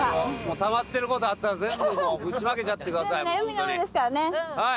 たまってることあったら全部もうぶちまけちゃってください。